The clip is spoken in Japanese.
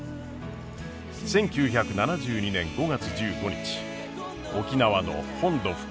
１９７２年５月１５日沖縄の本土復帰。